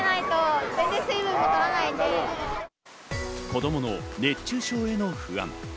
子供の熱中症への不安。